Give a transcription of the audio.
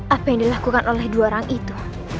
apa yang dilakukan oleh dua orang itu